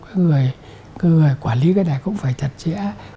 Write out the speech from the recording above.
người quản lý cái này cũng phải chặt chẽ